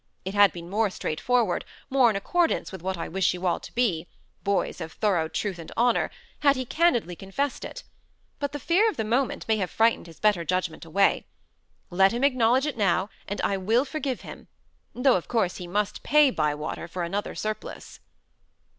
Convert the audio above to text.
It had been more straightforward, more in accordance with what I wish you all to be boys of thorough truth and honour had he candidly confessed it. But the fear of the moment may have frightened his better judgment away. Let him acknowledge it now, and I will forgive him; though of course he must pay Bywater for another surplice."